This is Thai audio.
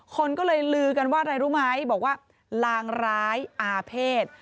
คนก็เลยลือกันว่าอะไรรู้ไหมบอกว่าลางร้ายอาเภษ